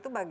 apa bapak